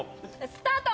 スタート！